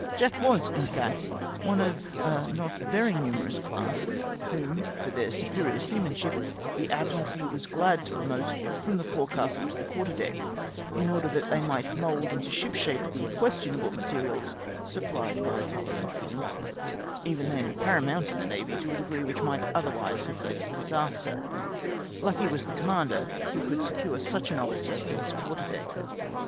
Jack was, in fact, one of a not very numerous class, whom, for theii' superior seamanship, the Admiralty was glad to promote from the forecastle to tlie quarter deck, in order that they might mould mto ship shape the questionable materials supplied by parliamentary influence — even then para mount in the Navy to a degree which might otherwise have led to disaster. Lucky was the commander who could secure such an officer for his quarter deck.